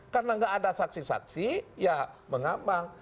karena nggak ada saksi saksi ya mengapa